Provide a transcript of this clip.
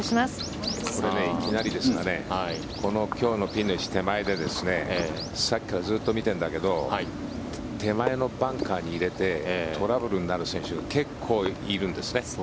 これ、いきなりですが今日のピンの位置手前でさっきからずっと見ているんだけど手前のバンカーに入れてトラブルになる選手が結構、いるんですね。